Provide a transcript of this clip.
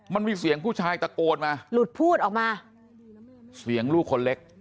มันมีเสียงผู้ชายตะโกนมาหลุดพูดออกมาเสียงลูกคนเล็ก